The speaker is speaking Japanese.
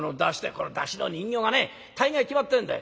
「この山車の人形がね大概決まってんだよ。